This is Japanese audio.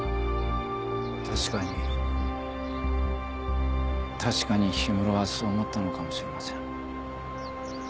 確かに確かに氷室はそう思ったのかもしれません。